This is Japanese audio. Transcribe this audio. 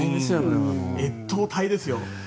越冬隊ですよ。